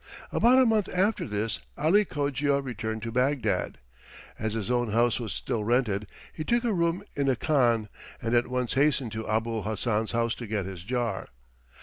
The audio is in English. About a month after this Ali Cogia returned to Bagdad. As his own house was still rented he took a room in a khan and at once hastened to Abul Hassan's house to get his jar.